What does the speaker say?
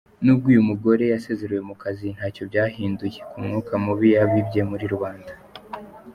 Nubwo uyu mugore yasezerewe mu kazi, ntacyo byahinduye ku mwuka mubi yabibye muri rubanda.